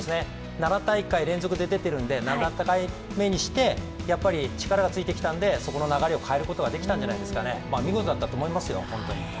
７大会連続で出ているので７回目にして力がついてきたので、そこの流れを変えることができたんじゃないですかね、見事だったと思いますよ、本当に。